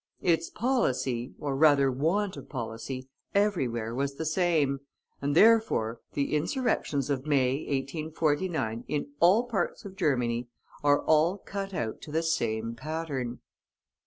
Its policy, or rather want of policy, everywhere was the same, and, therefore, the insurrections of May, 1849, in all parts of Germany, are all cut out to the same pattern.